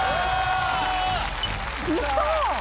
うそ？